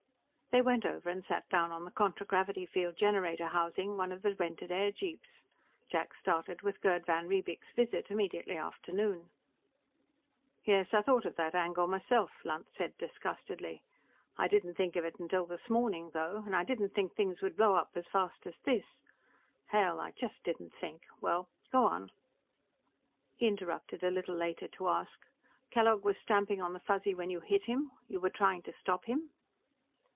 They went over and sat down on the contragravity field generator housing of one of the rented airjeeps. Jack started with Gerd van Riebeek's visit immediately after noon. "Yes, I thought of that angle myself," Lunt said disgustedly. "I didn't think of it till this morning, though, and I didn't think things would blow up as fast as this. Hell, I just didn't think! Well, go on." He interrupted a little later to ask: "Kellogg was stamping on the Fuzzy when you hit him. You were trying to stop him?"